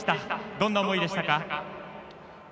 どんな思いでしたか？